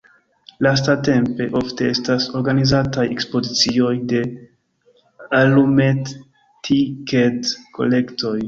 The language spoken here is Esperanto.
Lastatempe ofte estas organizataj ekspozicioj de alumetetiked-kolektoj.